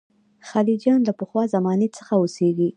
خلجیان له پخوا زمانې څخه اوسېږي.